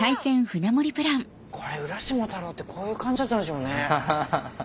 これ浦島太郎ってこういう感じだったんでしょうね。